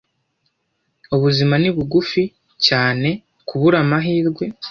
ubuzima ni bugufi cyane kubura amahirwe